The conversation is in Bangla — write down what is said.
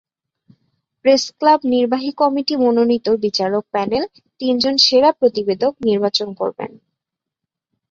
প্রেসক্লাব নির্বাহী কমিটি মনোনীত বিচারক প্যানেল তিনজন সেরা প্রতিবেদক নির্বাচন করবেন।